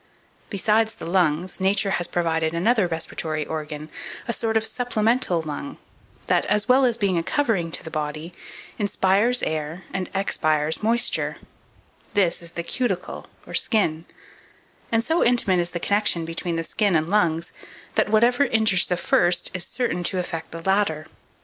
Besides the lungs, Nature has provided another respiratory organ, a sort of supplemental lung, that, as well as being a covering to the body, _in_spires air and _ex_pires moisture; this is the cuticle, or skin; and so intimate is the connection between the skin and lungs, that whatever injures the first, is certain to affect the latter.